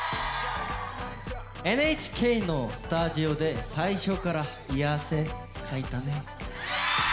ＮＨＫのスタジオで最初からいい汗かいたね。